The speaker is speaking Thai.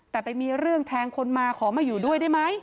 แต่ไปมีเรื่องแทงคนมาขอมาอยู่ด้วยได้ไหม